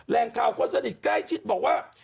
แรงข่าวคนสนิทใกล้ชิดบอกว่า